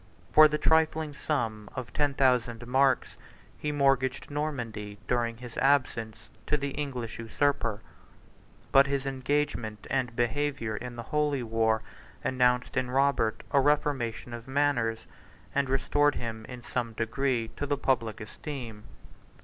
For the trifling sum of ten thousand marks, he mortgaged Normandy during his absence to the English usurper; 47 but his engagement and behavior in the holy war announced in Robert a reformation of manners, and restored him in some degree to the public esteem.